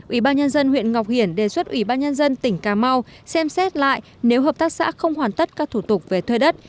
ủy ban nhân dân huyện ngọc hiển đề xuất ủy ban nhân dân tỉnh cà mau xem xét lại nếu hợp tác xã không hoàn tất các thủ tục về thuê đất